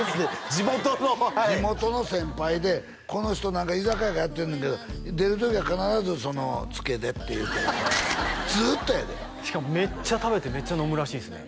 地元のはい地元の先輩でこの人何か居酒屋やってんねんけど出る時は必ず「ツケで」って言うてずっとやでしかもめっちゃ食べてめっちゃ飲むらしいですね